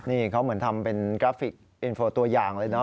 นี่เขาเหมือนทำเป็นกราฟิกอินโฟตัวอย่างเลยเนอ